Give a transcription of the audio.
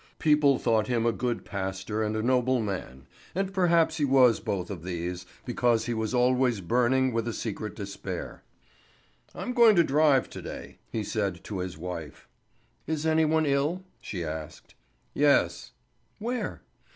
People thought him a good pastor and a noble man; and perhaps he was both of these, because he was always burning with a secret despair. "I'm going a drive to day," he said to his wife. "Is any one ill?" she asked. "Yes." "Where?"